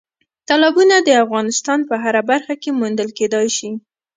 تالابونه د افغانستان په هره برخه کې موندل کېدای شي.